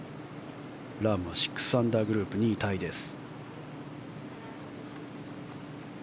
ラームは６アンダーグループ２位タイです。